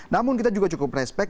namun kita juga cukup respect